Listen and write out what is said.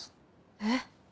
えっ。